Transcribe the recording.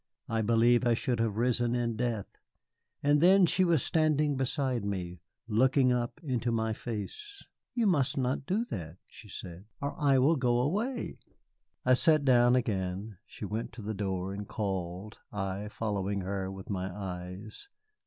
I believe I should have risen in death. And then she was standing beside me, looking up into my face. "You must not do that," she said, "or I will go away." I sat down again. She went to the door and called, I following her with my eyes.